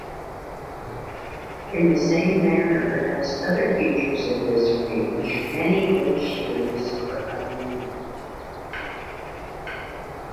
In the same manner as other features in this range many glaciers are unnamed.